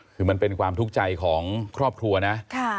คือมันเป็นความทุกข์ใจของครอบครัวนะ